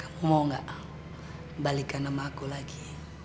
kamu mau gak balikan nama aku lagi